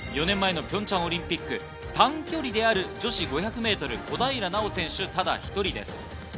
４年前のピョンチャンオリンピック、短距離である女子５００ｍ、小平奈緒選手ただ１人です。